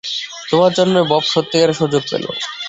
তোমার জন্যে, বব সত্যিকারের সুযোগ পেল।